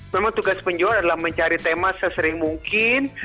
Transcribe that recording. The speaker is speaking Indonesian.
memang tugas penjual adalah mencari tema sesering mungkin